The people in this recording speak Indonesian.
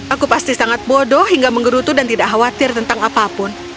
aku pasti sangat bodoh hingga menggerutu dan tidak khawatir tentang apapun